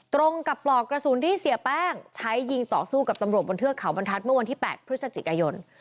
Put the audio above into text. ตรงกับปลอกกระสุนที่เสียแป้งใช้ยิงต่อสู้กับตำรวจบนเทือกเขาบรรทัศน์เมื่อวันที่๘พฤศจิกายน